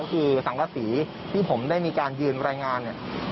ก็คือสังกษีที่ผมได้มีการยืนรายงานเนี่ย